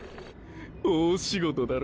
大仕事だろ？